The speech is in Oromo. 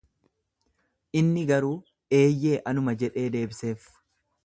Inni garuu, Eeyyee, anuma jedhee deebiseef.